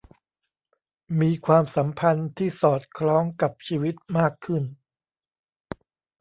มีความสัมพันธ์ที่สอดคล้องกับชีวิตมากขึ้น